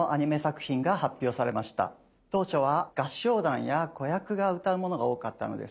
当初は合唱団や子役が歌うものが多かったのです。